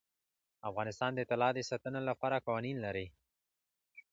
افغانستان د طلا د ساتنې لپاره قوانین لري.